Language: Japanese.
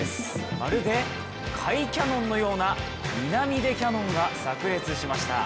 まるで甲斐キャノンのような南出キャノンが炸裂しました。